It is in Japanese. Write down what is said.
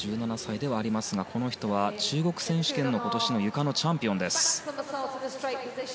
１７歳ではありますがこの人は、中国選手権の今年のゆかのチャンピオンです。